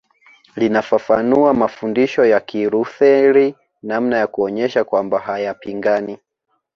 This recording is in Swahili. Linafafanua mafundisho ya Kilutheri namna ya kuonyesha kwamba hayapingani